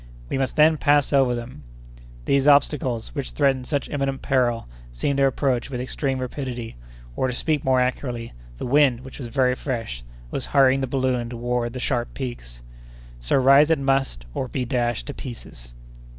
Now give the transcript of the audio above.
"We must then pass over them." These obstacles, which threatened such imminent peril, seemed to approach with extreme rapidity, or, to speak more accurately, the wind, which was very fresh, was hurrying the balloon toward the sharp peaks. So rise it must, or be dashed to pieces.